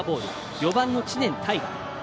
４番の知念大河。